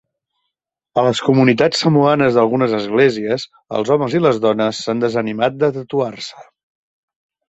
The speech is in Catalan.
A les comunitats samoanes d'algunes esglésies, els homes i les dones s'han desanimat de tatuar-se.